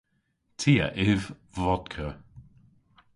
Ty a yv vodka.